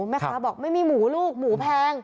แม่ค้าบอกไม่มีหมูลูกหมูแพง